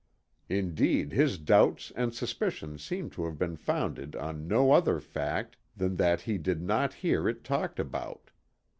Indeed his doubts and suspicions seem to have been founded on no other fact than that he did not hear it talked about.